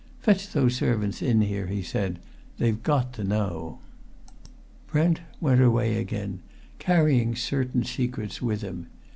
"Fetch those servants in here," he said. "They've got to know." Brent went away then, carrying certain secrets with him.